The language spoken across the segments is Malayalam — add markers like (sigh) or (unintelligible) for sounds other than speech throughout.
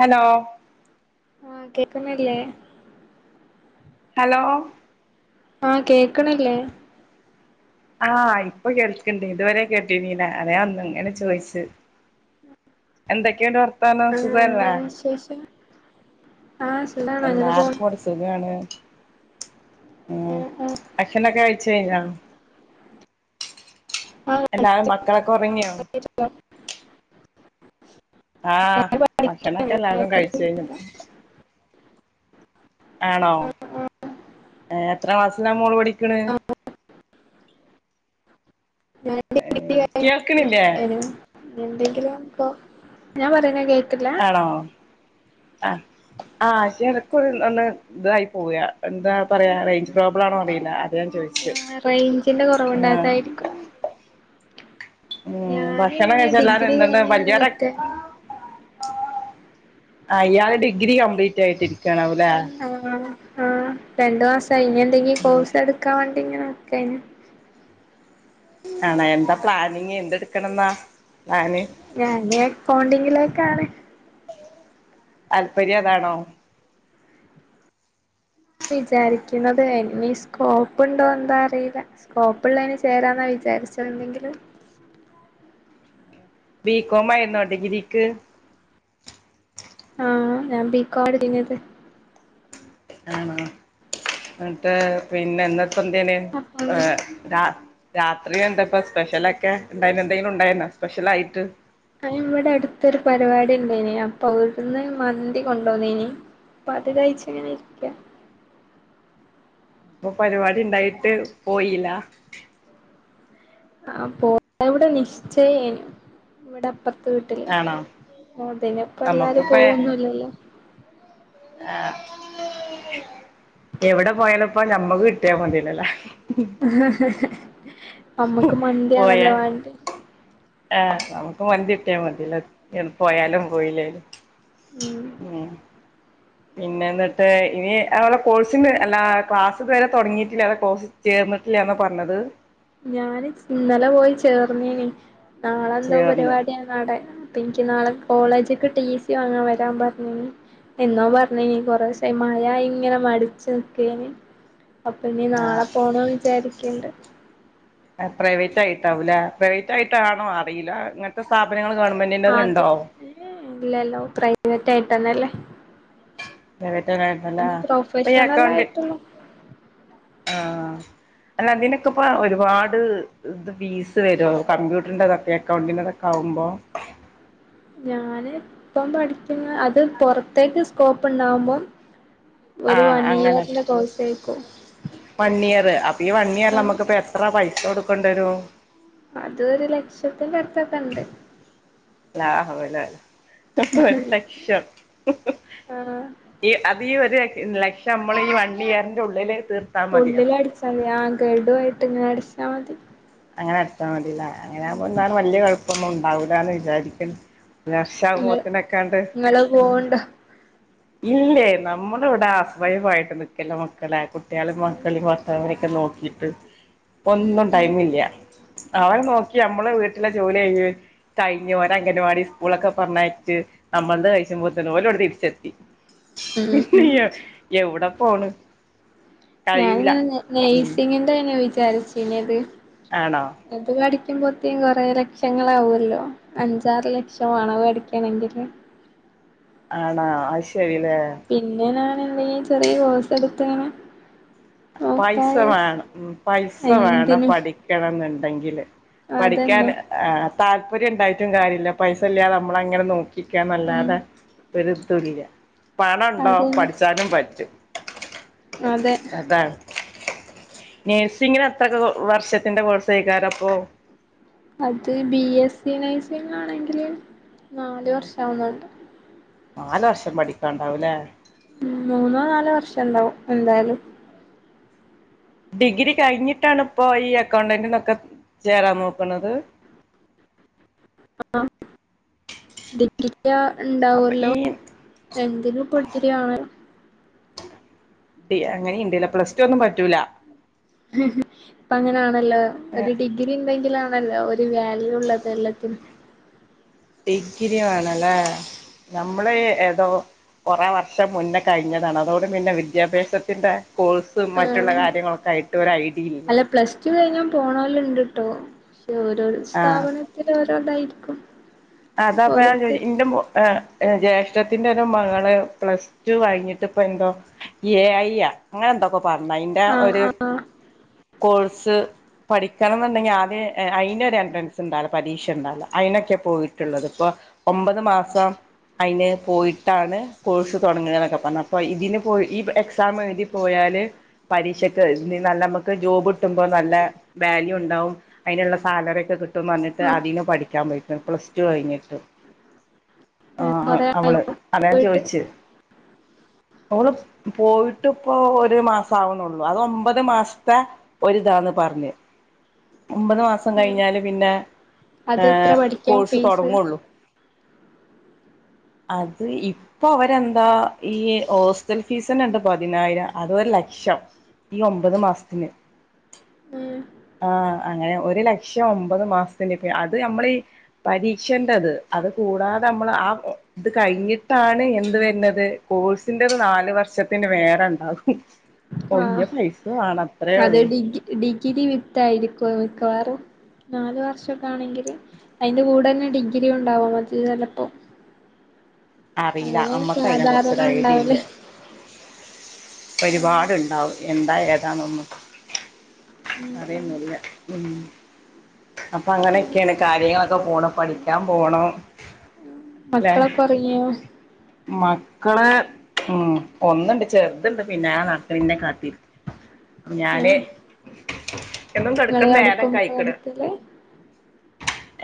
ഹലോ ആഹ് കേക്കുന്നില്ലേ ഹലോ ആഹ് കേക്കണില്ലേ ആഹ് ഇപ്പൊ കേൾക്ക്ണ്ട് ഇതുവരെ കേട്ടി നീന അതേ വന്നു ഇങ്ങനെ ചോയിച്ച് എന്തൊക്കെയിണ്ട് വർത്താനം ആ സുഖല്ലേ എന്താണ് വിശേഷം ആഹ് സുഖാണ് അങ്ങനെ പോണ് എല്ലാർക്കും ഇവിടെ സുഖാണ് ഉം ആഹ് ഭക്ഷണൊക്കെ കഴിച്ച് കഴിഞ്ഞാ ആഹ് എല്ലാരും മക്കളൊക്കെ ഉറങ്ങിയോ ആഹ് ഭക്ഷണൊക്കെ എല്ലാരും കഴിച്ച് കഴിഞ്ഞു ആണോ ഏ എത്ര ക്ലാസ്സിലാ മോള് പഠിക്കണ് ഏ കേൾക്കണില്ലേ (unintelligible) ഞാൻ പറയുന്ന കേ ആണോ ആഹ് ആ (unintelligible) ഇതായി പോവുക എന്താ പറയാ റേഞ്ച് പ്രോബ്ലം ആണോ അറിയില്ല അത് ഞാൻ ചോദിച്ചു ആഹ് റേഞ്ചിന്റെ ആ കുറവുണ്ടായതായിരിക്കും ഉം ഭക്ഷണം ഞാനിങ്ങനെ കഴിച്ച എല്ലാരും ഡിഗ്രി എന്തണ്ട് കഴിഞ്ഞിങ്ങനെ വല്യാ നിക്കാണ് ആ ഇയാളെ ഡിഗ്രി കംപ്ലീറ്റ് ആയിട്ടിരിക്കും ണാവല്ലേ ആഹ് ആഹ് രണ്ട് മാസ കഴിഞ്ഞിണ്ടങ്കി കോഴ്സ് എടുക്കാ വേണ്ടി ഇങ്ങനെ ഒക്കെന ആണാ എന്താ പ്ലാനിങ് എന്തെടുക്കണംന്നാ പ്ലാന് ഞാന് അക്കൗണ്ടിങ്ങിലാ ക്കാണ് താല്പര്യം അതാണോ വിചാരിക്കുന്നത് ഇനി സ്കോപ്പ് ഉണ്ടോ എന്താ അറിയില്ല സ്കോപ്പുള്ളതിന് ചേരാന്നാ വിചാരിച്ചത് എന്തെങ്കിലും ബീകോം ആയിരുന്നോ ഡിഗ്രിക്ക് ആ ഞാൻ ബീക്കോ എടുത്തീന്നത് ആണോ എന്നിട്ട് പിന്നെന്താ പൊന്തേനു അപ്പൊ ആ അങ്ങനെ രാ രാത്രി എന്താപ്പ സ്പെഷ്യലൊക്കെ ഉണ്ടായിരുന്നാ എന്തെങ്കിലും ഉണ്ടായിരു ന്നോ സ്പെഷ്യൽ ആയിട്ട് ആ ഇവിടെ അടുത്തൊരു പരിപാടി ഉണ്ടായിന് അപ്പൊ അവിടുന്ന് മന്തി കൊണ്ടുവന്നിനു അപ്പ അത് കഴിച്ച് ഇങ്ങനെ ഇരിക്കാ അപ്പൊ പരിപാടി ഉണ്ടായിട്ട് പോയില്ല ആ പോ ഇവിടെ നിശ്ചയേന് ഇവിടെ അപ്പറത്ത് വീട്ടില് ആണോ (inaudible) അപ്പൊ എല്ലാരും നമുക്കിപ്പ പോവൊന്നുല്ലല്ലോ ആ എവിടെ പോയാല ഇപ്പം ഞമ്മക്ക് കിട്ടിയാൽ മതീല്ലോ ല്ലേ അമ്മക്ക് മന്തിയാണല്ലോ വേണ്ടിയെ ആ നമുക്ക് മന്തിട്ട്യാ മതീല്ലോ എന് പോയാലും പോയില്ലേലും ഉം പിന്നെ എന്നിട്ട് ഇനി അങ്ങനെ കോഴ്സിന് അല്ല ക്ലാസ്സ് ഇത് വരെ തൊടങ്ങിയിട്ടില്ല അല്ല കോഴ്സിനു ചേർന്നിട്ടില്ല്യന്ന പറഞ്ഞത് ഞാന് ഇന്നലെ പോയി ചേർ ന്നിനു നാളെന്തോ ചേർന്ന് പരിപാടിയാരുന്നു ആടെ അപ്പ എനിക്ക് നാളെ കോളേജ്ക്ക് ടി സി വാങ്ങാൻ വരാൻ പറഞ്ഞിനു എന്നോ പറഞ്ഞിനു കൊറേസായി മഴ ഇങ്ങനെ മടിച്ചു നിക്കേയ്ന് അപ്പൊ ഇനി നാളെ ആഹ് പോണം വിചാരിക്കണ്ട് പ്രൈവറ്റ് ആയിട്ടാവൂല്ലേ പ്രൈവറ്റ് ആയിട്ടാണോ അറിയില്ല അങ്ങനത്തെ സ്ഥാപനങ്ങൾ ഗവൺമെന്റിന്റെത് അത് ഉണ്ടോ ഇല്ലല്ലോ പ്രൈവറ്റ് ട്ടായിട്ടന്നല്ലേ പ്രൈവറ്റ് യിരുന്നല്ല അപ്പോ ഈ അക്കൗണ്ട് ആയിട്ടുള്ള ആ അല്ല അതിനൊക്കെ ഇപ്പ ഒരുപാട് ഇത് ഫീസ് വരോ കമ്പ്യൂട്ടറിന്റെതൊക്കെ അക്കൗണ്ടിന്റെതൊക്കെ ആവുമ്പോ ഞാന് ഇപ്പം പഠിക്കുന്ന അത് പുറത്തേക്ക് സ്കോപ്പ് ഉണ്ടാവുമ്പം ആ ഒരു വൺ അങ്ങനെ ഇയറിന്റെ കോഴ്സായിരിക്കും വൺ ഇയർ അപ്പൊ ഈ വൺ ഇയർ ആ നമുക്കിപ്പോ എത്ര പൈ കൊടുക്കേണ്ടി വരും അത് ഒരു ലക്ഷത്തിന്റെ അടുത്തൊക്കെ ഇണ്ട് ലാ ഹൌല ഒരു ലക്ഷം ആഹ് ഈ അതീ ഒരു ലക്ഷം നമ്മളീ വണ്ടി അതിനുള്ളില് പുള്ളിൽ അടിച്ചാല ആ ഗഡു ആയിട്ട് ഇങ്ങനെ അട ആ മതി അങ്ങനെടുത്താ മ അങ്ങനെ ഉം ആവുമ്പോ ന്താണ് വല്യ കെഴ ഇപ്പന്നും ഉണ്ടാവൂലാന്ന് വിചാരിക്ക്ണ്. ഒരു ഇങ്ങള് വർഷവുമ്പോതിനൊക്കണ്ട് ഇങ്ങള് പോവ്ണ്ടോ ഇല്ലേ നമ്മുടെ ഇവിടെ ഹൗസ് വൈഫ് നിക്കല്ല മക്കളെ കുട്ടികളേം മക്കളും ഭർത്താവിനേം ക്കെ നോക്കിട്ട് ഉം ഒന്നും ഉം ടൈമില്ല അവർ നോക്കി നമ്മള് വീട്ടിലെ ജോലി ചെയ്യ് കഴിഞ്ഞ് ഓര അംഗൻവാടി സ്കൂളൊക്കെ പറഞ്ഞയച്ച് നമ്മൾത് കഴിച്ചു മ്പോത്തിന് ഓല് ഇവിടെ തിരിച്ചെത്തി ഉം പിന്നെ ഉം എ എവട പോണ്. കഴിയൂല ഞാനിങ്ങനെ ഉം നെയ്സിങ്ങിന്റെ (unintelligible) വിചാരിച്ചീന്നത് ആണോ അത് പഠി കുറ്റും പൊത്തീം കൊറെേ ലക്ഷങ്ങളാവല്ലോ അഞ്ചാറ് ലക്ഷം അണവ് അടിക്കണെങ്കില് ആണാ അ ശരി പിന്നെ ഞാൻ എന്തെങ്കിലും ചെറിയ കോഴ്സ് എടുത്ത്ങ്ങനെ നോക്കാ പൈസ വിചാരിച്ച് വേണം ഉം പൈസ വേണം എന്തിനും പഠിക്കണം എന്നു ണ്ടെങ്കില് പഠിക്കാൻ അതന്നെ ആ താല്പര്യം ഇണ്ടായിട്ടും കാര്യല്ല പൈസ ഇല്ലതെ നമ്മള അങ്ങനെ നോക്കി ഉം രിക്കാന്നല്ലാതെ (unintelligible) പണ ണ്ടോ അതന്നെ പഠിച്ചാനും പറ്റും. അതെ അതാണ് നേഴ്സിങ്ങിന് എത്രക്ക വർഷത്തിന്റെ കോഴ്സ് എയക്കാരാപ്പോ അത് ബി എസ് സി നൈസിങ്ങാണെങ്കില് നാല് വർഷാവുന്നുണ്ട് നാല് വർഷം പടിക്കണ്ടാവൂലെ ഉം മൂന്നോ നാലോ വർഷം ണ്ടാവും എന്തായാലും ഡിഗ്രി കഴിഞ്ഞിട്ടാണ് ഇപ്പോ ഈ അക്കൗണ്ടന്റിന്നൊക്കെ ചേരാൻ നോക്കണത് ആ ഡിഗ്രി (unintelligible) അപ്പൊ ഉണ്ടാവല്ലോ ഈ എന്തിനും ഇപ്പ ഡിഗ്രി ആണല്ലോ അങ്ങനി ഒണ്ട്ല്ലെ പ്ലസ് ടു ഒന്നും പറ്റൂല ഇപ്പം അങ്ങനെയാണ് അല്ലാ ഡിഗ്രി എന്തെങ്കിലും അല്ല ഒരു വാല്യൂ ഉള്ളത് എല്ലാത്തിനും ഡിഗ്രി ആണല്ലേ നമ്മള് ഏതോ കുറെ വർഷം മുന്നേ കഴിഞ്ഞതാണ് അതോട് പിന്നെ വിദ്യാഭ്യാസത്തിന്റെ കോഴ്സും മറ്റുള്ള ആഹ് കാര്യങ്ങളൊക്കെ ആയിട്ട് ഒരു ഐഡിയ ഇല്ല പോണോല് ണ്ട് ട്ടോ ഓരോരോ സ്ഥാപനത്തിൽ ഓരോ അതായിരിക്കും അ അതപ്പോ ഞാൻ ചോയ് ൻ്റെ മോ എ ജ്യേഷ്ഠത്തിന്റെ ഒരു മകള് പ്ലസ് ടു കഴിഞ്ഞിട്ട് ഇപ്പോ എന്തോ എ ഐ അങ്ങനെ എന്തോക്കൊ പറഞ്ഞയ്ന്റെ ആഹ് ഒരു ആഹ് കോഴ്സ് പഠിക്കണം എന്നുണ്ടെങ്കിൽ ആദ്യം അയിന് ഒരു എൻട്രൻസ് ഉണ്ടല്ലോ പരീക്ഷ ഉണ്ടാലോ അയിനോക്കെ പോയി ഇപ്പോ ഒമ്പത് മാസം അയിൻ പോയിട്ടാണ് കോഴ്സ് തൊടങ്ങ എന്നൊക്കെ പറഞ്ഞപ്പോ ഇതിന് പോയി ഈ എക്സാം എഴുതി പോയാൽ പരീക്ഷക്ക് നല്ല നമ്മൾക്ക് ജോബ് കിട്ടുമ്പോ നല്ല വാല്യൂണ്ടാവും അയിന്ള്ളെ സാലറി ഒക്കെ കിട്ടും പറഞ്ഞിട്ട് ഉം അതിന് പഠിക്കാൻ പോയക്ക പ്ലസ് റ്റു കഴിഞ്ഞിട്ട് ആ കൊറേ അവള് ആയോ അതാ ഞാൻ പോയിട്ട് ചോദിച്ചേ നമ്മള് പോയിട്ട് ഇപ്പൊ ഒരു മാസം ഓൾ ഓൾ ഓള് പോയിട്ട് പോ ഒര് മാസം ആവുന്നുള്ളു അത് ഒമ്പത് മാസത്തെ ഒരിതാന്ന് പറഞ്ഞ് ഒമ്പത് മാസം കഴിഞ്ഞാല് പിന്നെ അത് എത്ര പഠിക്കാൻ കോഴ്സ് ഫീ തുടങ്ങുള്ളൂ അത് ഇപ്പോ അവരെന്താ ഈ ഹോസ്റ്റൽ ഫീസ് തന്നെണ്ട് പതിനായിരം അതും ഒരുലക്ഷം ഈ ഒമ്പത് മാസത്തിന് ഉം ആ അങ്ങനെ ഒരു ലക്ഷം ഒമ്പത് മാസത്തിന്ണ്ട് അത് നമ്മൾ പരീക്ഷൻ്റെദ് അത് കൂടാതെ നമ്മള് ആ ഇത് കഴിഞ്ഞിട്ടാണ് എന്ത് വരുന്നത് കോഴ്സിന്റെത് നാൽ വർഷത്തിന് വേറെ ഉണ്ടാകും ഒയിഞ്ഞ ആഹ് പൈസ വാണം അത് അത്രേള്ളൂ ഡിഗ് ഡിഗ്രി വിത്തായിരിക്കും അത് മിക്കവാറും നാലു വർഷൊക്കെ ആണെങ്കിൽ അതിന്റെ കൂടെ ന്നെ ഡിഗ്രി ഉണ്ടാവും മറ്റേത് ചിലപ്പോ അറീല അമ്മക്ക് അയിനെക്കുറിച്ച് സാധാരണ ഒരു ഐഡി ഇല്ല ഉണ്ടാവല് ഉം ഒരുപാട് ണ്ടാവും എന്താ ഏതാ എന്നൊന്നും ഉം ഉം അറിയൊന്നുല്ല ഉം അപ്പൊ അങ്ങനെക്കെയാണ് കാര്യങ്ങളൊക്കെ പോണേ പഠിക്കാൻ പോണം ല്ലെ മക്കളൊക്കെ ഉറങ്ങിയോ മക്കള് ഉം ഒന്ന്ണ്ട് ചെറുത്ണ്ട് പിന്നാലെ നട്ക്ക്ണ് ന്നെ കാട്ടീ ഞാന് എന്നും ങ്ങൾ കെടക്കണ കെടക്കുമ്പാ കെടക്കൽ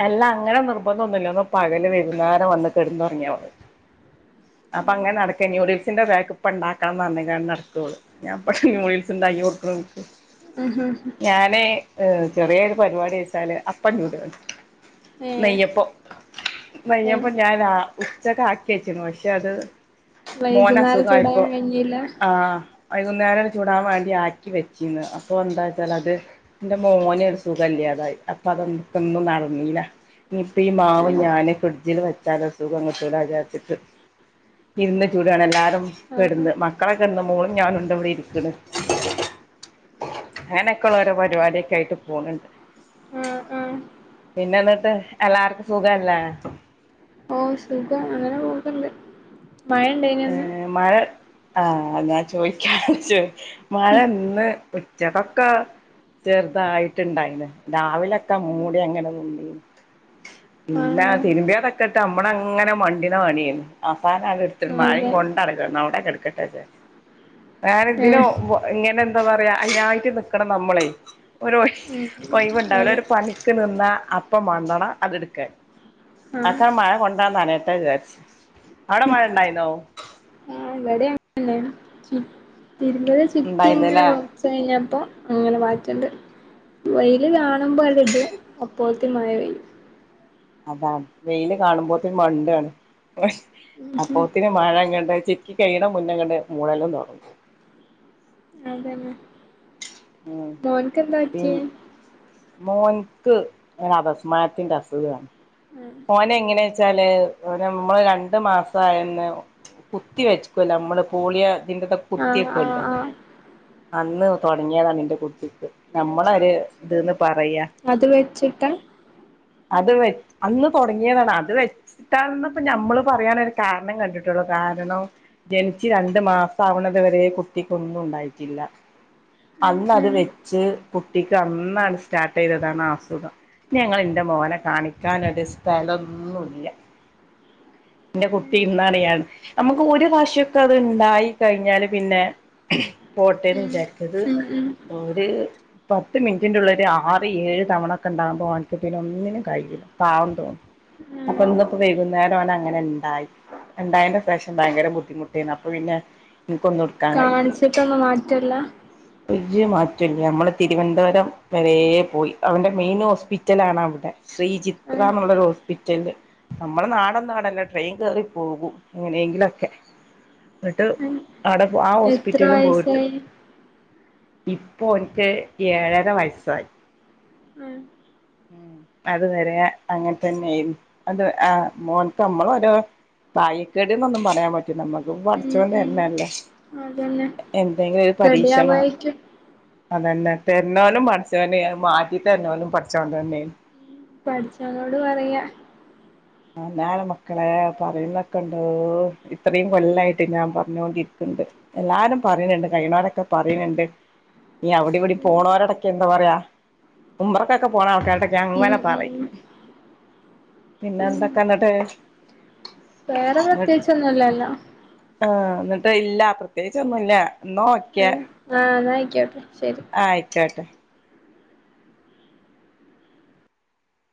എല്ലാ അങ്ങനെ നിർബന്ധം ഒന്നുല്ല ന്ന് പകല് വൈകുന്നരം വന്ന് കെട്ന്ന് ഒർങ്ങിയഓന് അപ്പൊ ഉം അങ്ങനെ നടക്ക നൂഡിൽസ്സിന്റെ പാക്ക് ഇപ്പ ഇണ്ടാക്കാം പറഞ് കാണ്ട് നടക്ക ഓള് ഞാൻ എപ്പ യൂഡിൽസ് ണ്ടാക്കികൊടുക്കണെ ഓക്ക് ഉം ഞാന് ഏ ചെറിയൊരു പരിപാടി വെച്ചാൽ അപ്പം ചുട ഏഹ് നെയ്യപ്പം ഏഹ് നെയ്യപ്പം ഞാന് രാ ഉച്ചക്ക് ആകി വെച്ചീണ് പഷേ അത്- മോന വൈകുന്നേരം അസുഖ ചൂടാൻ ആയപ്പൊ കഴിഞ്ഞില്ല ആ വൈകുന്നേരം ചൂടാൻ വേണ്ടി ആക്കി വെച്ചിന്ന് അപ്പൊ എന്താച്ചാല്അത് എന്റെ മോന് സുഖല്ലാതായി അപ്പൊ അതക്കൊന്നും നടന്നില ഇനിയിപ്പം ഈ മാവ് ഏഹ് ഞാന് ഫ്രിഡ്ജില് വെച്ചാല് സുഖം കിട്ടൂല വിചാച്ചിട്ട്- ഇരുന്ന് ചൂട്യാണ് എല്ലാരും ആഹ് കെടന്ന് മക്കളെ കെടുന്ന് മോളും ഞാനുണ്ട് ഇവിടെ ഇരിക്കണ് അങ്ങനൊക്കെയുള്ള ഓരോ പരിപാടിയൊക്കെ ആയിട്ട് പോണണ്ട് ആഹ് ആഹ് പിന്നെ എന്നിട്ട് എല്ലാർക്കും സുഖല്ലേ- ഓ സുഖാ അങ്ങനെ പോന്നുണ്ട്- മഴ ഇണ്ടേനേന്ന്- ഏഹ് മഴ ആഹ് ഞാൻ ചോദിക്കാ വച് മഴ ഇന്ന് ഉച്ചക്കൊക്കെ ചെറുതായിട്ടുണ്ടായിന്ന് രാവിലൊക്കെ മൂടി അങ്ങനെ നിന്ന് പിന്നെ ആഹ് തിരുമ്പിയതൊക്കെ ഇട്ട് നമ്മള അങ്ങനെ മണ്ടിന മേണന്ന് അവസാന - എ മഴയും അതെ കൊണ്ട നടക്ക അവടെ- എടുക്കട്ടെച്ചെ- ഞാന ഇതിന് ഏഹ് മുമ്പ് ഇങ്ങനെ എന്താ പറയാ അതിനായിട്ട് നിക്കണം നമ്മളെ ഒരു ഉം ഒഴിവ്വുണ്ടാവില്ല അതെ ഒരു പണിക്ക് നിന്ന അപ്പം വണ്ടണം അത്ടുക്കൻ ആഹ് അത മഴ കൊണ്ടന്നാനനയട്ടേന്ന് വിചാരിച്ച അവിടെ മഴ ഇണ്ടായിന്നോ- ആഹ് തിരുമല് ചുറ്റി ഇങ്ങനെ ഉണ്ടായിരുന്നല്ലേ കൊറച്ച് കഴിഞ്ഞപ്പം- അങ്ങനെ വാറ്റണ്ട് വൈ ഇത് കാണുമ്പോ (unintelligible) പോലത്തി മയ പെയ്യും- അതാണ് വെയില് കാണുമ്പോത്തിന് മണ്ടാണ് അപ്പോത്തിന് മഴ എങ്ങണ്ട് ചെക്കി കഴിയണം മുന്നങ്ങണ്ട് മൂളലും തൊടങ്ങു അതന്നെ മോന്ക്ക് എന്താ പി പറ്റിയെ- മോൻക്ക് അഭസ്മാരത്തിന്റെ അസുഖാണ്- ഓന എങ്ങനെ വെച്ചാല് ഓനെ നമ്മള് രണ്ടു മാസയെന്ന് കുത്തി വെച്ചക്കല്ലോ നമ്മള് പോളിയ- അതിന്റെത ആഹ് ആഹ് കുത്തിയേക്കല്ലോ- ആഹ് അന്ന് തൊടങ്ങിയതാണ് എന്റെ കുട്ടിക്ക് നമ്മളര് ഇതിന്ന്- അത് വെച്ചിട്ടാ- അത് വെ അന്ന് തൊടങ്ങിയതാണ് അത് വെച്ചിട്ടാപ്പോ ഞമ്മള് പറയാനൊരു കാരണം കണ്ടിട്ടുള്ളൂ കാരണം ജനിച്ച് രണ്ട മാസം ആവണതു വരെ കുട്ടിക്ക് ഒന്നും ഉണ്ടായിട്ടില്ല ഉം അന്ന്ത് ഉം വെച്ച് കുട്ടിക്ക് അന്നാണ് സ്റ്റാർട്ട് ചെയ്തതാണ് ആ അസുഖം ഞങ്ങള് എന്റെ മോനെ കാണിക്ക ക്കാന് ഒരു സ്ഥലംഒന്നുല്ല എന്റെ കുട്ടി ഇന്നറിയാ നമുക്ക് ഒരു പ്രാവശ്യംക്കെ അത് ഉണ്ടായി കഴിഞ്ഞാല് പിന്നെ പോട്ടേന്ന് ഉം വിചാരിക്കാംഇത് ഉം ഉം ഒരു പത്ത് മിനിറ്റിന്റെള്ളി ആറ് ഏഴ് തവണ ഒക്കെ ഉണ്ടാകുമ്പോ ആൾക്ക്പിന്നെ ഒന്നിനും കഴിയൂല്ല- പാവം തോന്നും അപ്പൊ ഉം ഇന്നിപ്പോ വൈകുന്നേരം അവനങ്ങനെ ഇണ്ടായി ഇണ്ടായന്റെ പ്രശം ഭയങ്കര ബുദ്ധിമുട്ടാണ് അപ്പൊ പിന്നെ- ഇനിക്കൊന്നും എടുക്കാൻ കഴിഞ്ഞില്ല കാണിച്ചിട്ടൊന്നും മാറ്റല്ല- ഒരു മാറ്റല്ല മ്മള് തിരുവനന്തപുരം വരെ പോയി അവന്റെ മെയിൻ ഹോസ്പിറ്റലാണ് അവിടെ ശ്രീജിത്ത്- ആഹ് റാമുള്ളരു ഹോസ്പിറ്റല് നമ്മള നാടൊന്നല്ലല്ലോ ട്രെയിൻ കേറി പോകും എങ്ങനെയെങ്കിലുംഒക്കെ എന്നിട്ട്- ഉം ആടെ ആ എത്ര ഹോസ്പിറ്റലും പോയിട്ട്- വയസായി ഇപ്പൊ ഓനിക്ക് ഏഴര വയസ്സായി- ആഹ് ഉ അത് വരെ അങ്ങനെ തന്നെയായി അത് ആഹ മോൻക്ക് നമ്മളൊരോ തായിക്കേടന്ന്ഒന്നും പറയാൻ പറ്റി നമ്മുക്ക് ഉം പഠിച്ചൊൻ ഉം തരുന്നല്ലേ- അതന്നെ എന്തെങ്കിലും ഒരു റെഡി പരീക്ഷണാ- ആവായിരിക്കും അതന്നെ തരന്നോലും പഠച്ചോന മാറ്റി തരന്നോലും പഠച്ചോ- ച്ചോൻ തന്നെ പടച്ചോനോട് പറയാ- താണ് മക്കളെ പറയുന്നക്കണ്ടോ ഇത്രയും കൊല്ലായിട്ട് ഞാൻ പറഞ്ഞോണ്ടിരിക്കുണ്ട് എല്ലാരും പറയുന്നുണ്ട് കഴിയണവരൊക്കെ പറയുന്നുണ്ട് നീ അവിടെയും ഇവിടെയും ഉം പോണവരോടൊക്കെ എന്താ പറയാ ഉമ്റക്കൊക്കെ പോണ ആൾക്കാരോട് ഞാൻ ഉം എങ്ങനെ പറയും ഉം പിന്നെ ഉം എന്തൊക്കെ ഉണ്ടെടേ വേറെ പ്രത്യേകിച്ച് ഒന്നുമില്ലല്ലോ ആഹ് എന്നിട്ട് ഇല്ല പ്രത്യേകിച്ചൊന്നുമില്ല എന്നാ ഓക്കേ ആ ന്നാ ആയിക്കോട്ടെ ശരി ആയിക്കോട്ടെ